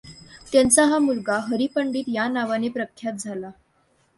त्यांचा हा मुलगा हरिपंडित या नावाने प्रख्यात झाला.